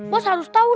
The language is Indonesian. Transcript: bos harus tahu nih